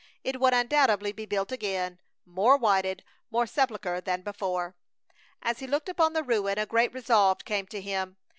It would undoubtedly be built again, more whited, more sepulchral than before. As he looked upon the ruin a great resolve came to him.